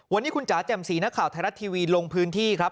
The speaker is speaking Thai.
วันนี้คุณจ๋าแจ่มสีนักข่าวไทยรัฐทีวีลงพื้นที่ครับ